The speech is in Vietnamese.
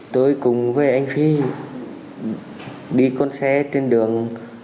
tôi cùng với anh phi đi con xe trên đường